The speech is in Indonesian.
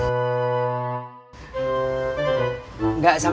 sampe ini kan hansit